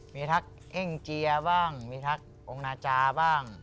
มีทักเฮ่งเจียบ้างมีทักองค์นาจาบ้าง